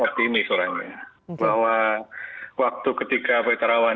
optimis orangnya bahwa waktu ketika pak terawan